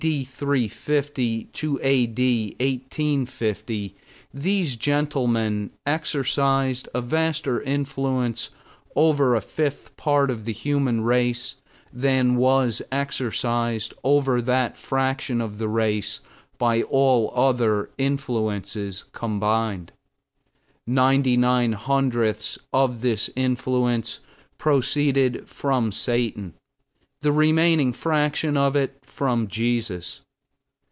D. 350 to A.D. 1850 these gentlemen exercised a vaster influence over a fifth part of the human race than was exercised over that fraction of the race by all other influences combined. Ninety nine hundredths of this influence proceeded from Satan, the remaining fraction of it from Jesus.